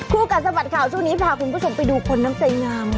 กัดสะบัดข่าวช่วงนี้พาคุณผู้ชมไปดูคนน้ำใจงาม